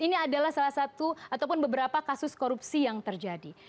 ini adalah salah satu ataupun beberapa kasus korupsi yang terjadi